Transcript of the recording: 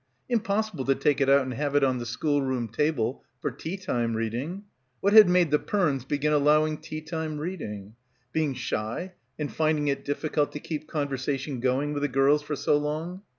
Impossible to take it out and have it on the schoolroom table for tea time reading. What had made the Pernes begin allowing tea time reading? Being shy and finding it difficult to keep conversation going with the girls for so long?